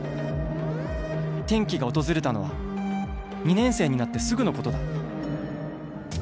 転機が訪れたのは２年生になってすぐのことだ」。